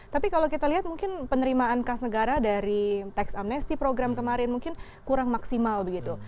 tapi kalau kita lihat mungkin penerimaan khas negara dari tax amnesty program kemarin mungkin kurang maksimal begitu